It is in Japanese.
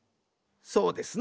そうですな。